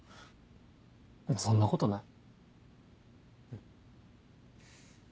そんなことない。